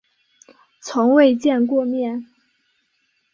从未见过面